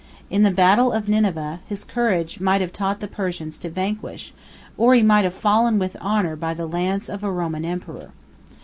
In the battle of Nineveh, his courage might have taught the Persians to vanquish, or he might have fallen with honor by the lance of a Roman emperor.